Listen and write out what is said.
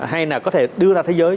hay là có thể đưa ra thế giới